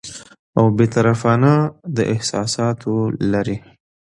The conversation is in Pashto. او بې طرفانه، د احساساتو لرې